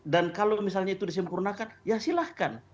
dan kalau misalnya itu disempurnakan ya silahkan